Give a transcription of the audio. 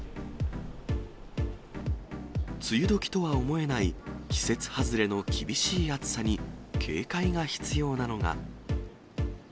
梅雨時とは思えない季節外れの厳しい暑さに警戒が必要なのが。